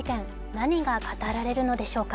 何が語られるのでしょうか。